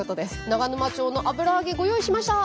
長沼町の油揚げご用意しました！